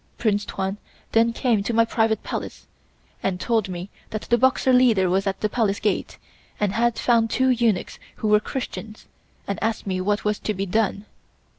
Prince Tuan then came to my private Palace and told me that the Boxer leader was at the Palace Gate and had found two eunuchs who were Christians and asked me what was to be done.